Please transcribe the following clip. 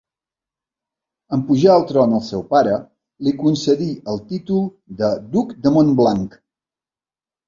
En pujar al tron el seu pare, li concedí el títol de Duc de Montblanc.